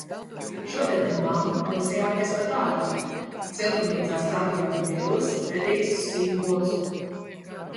Šodien ar mammu rosījāmies pa dārzu. Siltumnīcā stādījām dilles, redīsus, sīpolus.